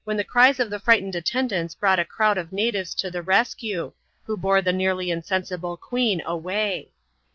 the cries of the frightened attendants brought a crowd of natives to the rescue, who bore the nearly insensible queen away.